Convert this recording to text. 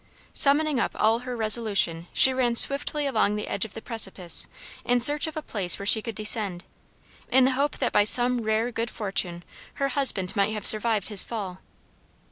Summoning up all her resolution she ran swiftly along the edge of the precipice in search of a place where she could descend, in the hope that by some rare good fortune her husband might have survived his fall.